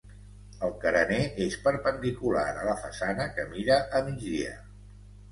El carener és perpendicular a la façana que mira a migdia.